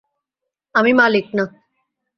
আমি মালিক না।